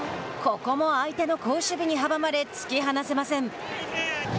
ここも相手の好守備に阻まれ突き放せません。